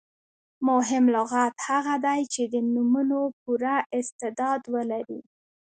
مهم لغت هغه دئ، چي د نومونو پوره استعداد ولري.